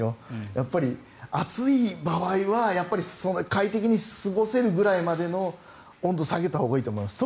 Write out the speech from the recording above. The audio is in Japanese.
やっぱり暑い場合は快適に過ごせるぐらいまで温度下げたほうがいいと思います。